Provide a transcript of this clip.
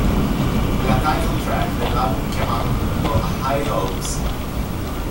È la title track dell'album chiamato appunto High Hopes.